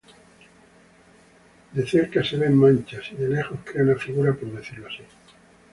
De cerca se ven manchas y de lejos crea una figura por decirlo así.